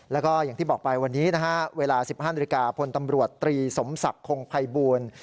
แล้วก็อย่างที่บอกไปวันนี้นะฮะเวลา๑๕นาฬิกาพลตำรวจตรีสมศักดิ์คงภัยบูล